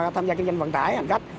tham gia kinh doanh vận trải hành khách